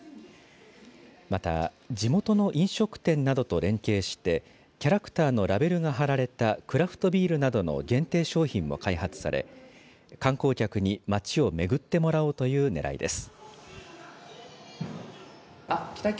また、地元の飲食店などと連携してキャラクターのラベルが貼られたクラフトビールなどの限定商品も開発され観光客に町を巡ってもらおうというねらいです。